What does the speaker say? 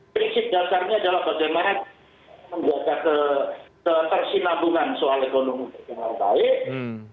prinsip dasarnya adalah bagaimana kita menjaga ketersih labungan soal ekonomi yang baik